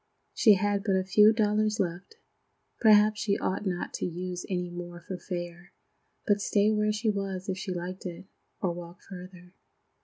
She had but a few dollars left. Perhaps she ought not to use any more for fare, but stay where she was if she liked it, or walk farther.